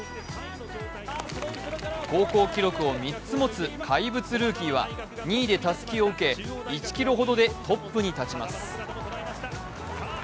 高校記録を３つ持つ怪物ルーキーは２位でたすきを受け、１ｋｍほどでトップに立ちます。